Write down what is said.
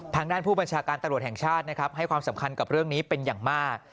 ทางด้านผู้บัญชาการตำรวจแห่งชาตินะครับให้ความสำคัญกับเรื่องนี้เป็นอย่างมาก